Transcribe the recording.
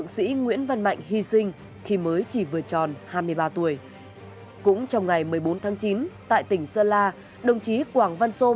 xin chào quý khán giả